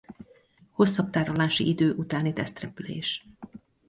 Hosszabb tárolási idő utáni tesztrepülés.